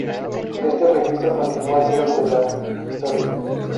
Este registro continúa siendo la de la historia.